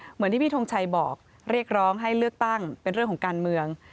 เหมือนที่พี่ทงชัยบอกเรียกร้องให้เลือกตั้งเป็นเรื่องของการเมือง